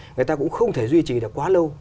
người ta cũng không thể duy trì được quá lâu